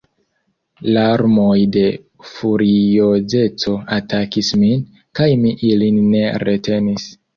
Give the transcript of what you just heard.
Larmoj de furiozeco atakis min, kaj mi ilin ne retenis.